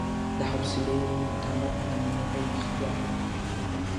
د حوصلې او متانت نمونه به یې اختیار کړه.